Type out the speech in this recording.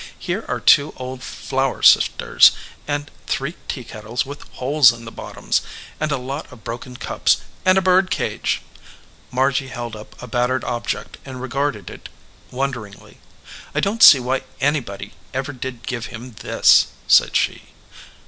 "Here are two old flour sifters, and three teakettles with holes in the bottoms, and a lot of broken cups, and a bird cage." Margy held up a battered object and regarded it wonder ingly. "I don t see why anybody ever did give him this," said she.